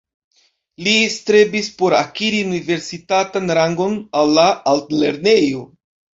Li strebis por akiri universitatan rangon al la altlernejo.